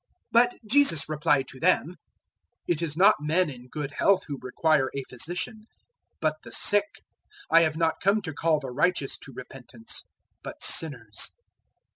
005:031 But Jesus replied to them, "It is not men in good health who require a physician, but the sick. 005:032 I have not come to call the righteous to repentance, but sinners."